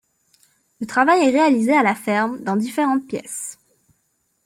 Le travail est réalisé à la ferme dans différentes pièces.